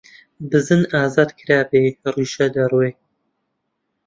بزن ئازاد کرابێ، ڕیشە دەڕوێ!